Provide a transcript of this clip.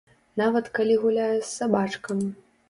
Нават, калі гуляе з сабачкам.